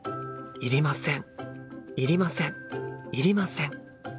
いりません。